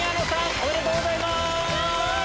おめでとうございます！